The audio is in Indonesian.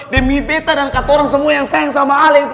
demi betah dan katorang semua yang sayang sama ale